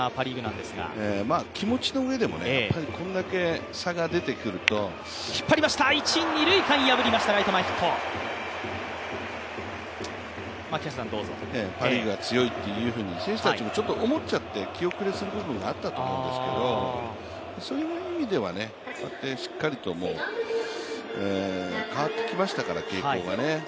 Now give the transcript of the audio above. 気持ちのうえでもこれだけ差が出てくるとパ・リーグが強いというふうに選手たちもちょっと思っちゃって気後れする部分があったと思うんですけどそういう意味では、こうやってしっかりと変わってきましたから、傾向がね。